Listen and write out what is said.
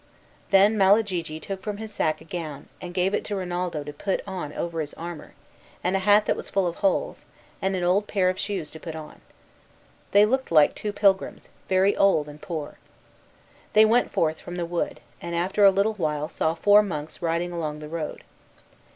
Then Malagigi took from his sack a gown, and gave it to Rinaldo to put on over his armor, and a hat that was full of holes, and an old pair of shoes to put on. They looked like two pilgrims, very old and poor. Then they went forth from the wood, and after a little while saw four monks riding along the road.